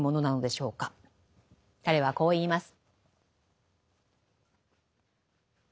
彼はこう言います。